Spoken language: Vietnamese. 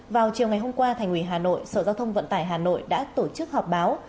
vào chiều ngày hôm qua thành ủy hà nội sở giao thông vận tải hà nội đã tổ chức họp báo